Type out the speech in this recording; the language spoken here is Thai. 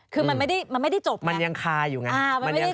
คือมันไม่ได้จบไงมันยังคายอยู่ไงมันยังคายอยู่